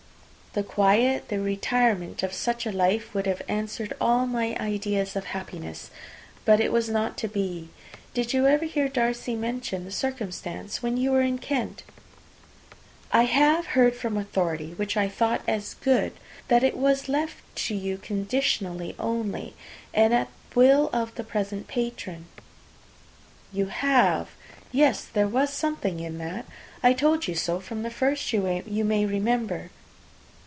The quiet, the retirement of such a life, would have answered all my ideas of happiness! But it was not to be. Did you ever hear Darcy mention the circumstance when you were in Kent?" "I have heard from authority, which I thought as good, that it was left you conditionally only, and at the will of the present patron." "You have! Yes, there was something in that; I told you so from the first, you may remember."